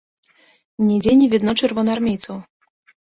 Нідзе не відно чырвонаармейцаў.